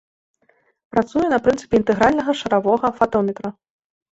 Працуе на прынцыпе інтэгральнага шаравога фатометра.